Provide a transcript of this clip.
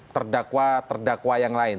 terdakwa terdakwa yang lain